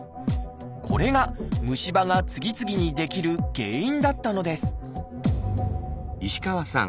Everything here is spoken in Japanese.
これが虫歯が次々に出来る原因だったのです